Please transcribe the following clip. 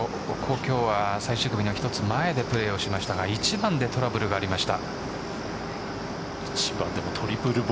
今日は最終組の１つ前でプレーをしましたが１番でトラブルがありました。